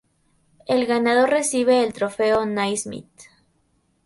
El ganador recibe el Trofeo Naismith.